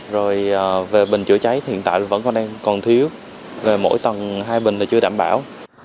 rồi về bình chữa cháy hiện tại vẫn còn thiếu về mỗi tầng hai bình là chưa đảm bảo